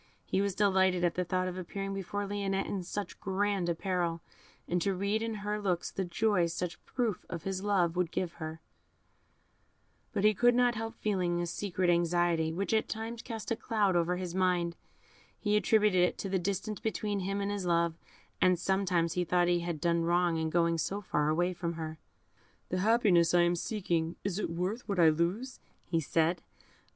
He was delighted at the thought of appearing before Lionette in such grand apparel, and to read in her looks the joy such proof of his love would give her; but he could not help feeling a secret anxiety, which at times cast a cloud over his mind; he attributed it to the distance between him and his love, and sometimes he thought he had done wrong in going so far away from her. "The happiness I am seeking, is it worth what I lose?" said he.